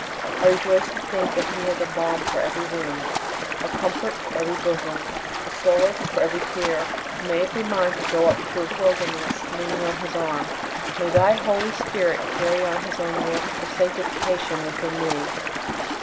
I rejoice to think that He has a balm for every wound, a comfort for every bosom, a solace for every tear. May it be mine to go up through the wilderness leaning on His arm. May Thy Holy Spirit carry on His own work of sanctification within me.